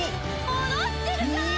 戻ってるじゃない！